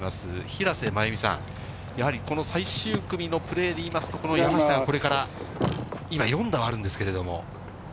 平瀬真由美さん、やはりこの最終組のプレーでいいますと、山下はこれから今４打あるんですけれども。